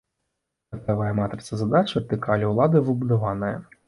Мэтавая матрыца задач вертыкалі ўлады выбудаваная.